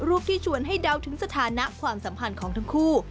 ที่ชวนให้เดาถึงสถานะความสัมพันธ์ของทั้งคู่